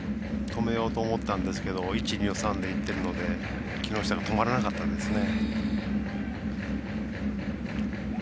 止めようと思ったんですけど１、２の３でいってるので木下が止まらなかったんですね。